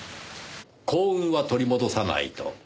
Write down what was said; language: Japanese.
「幸運は取り戻さないと」。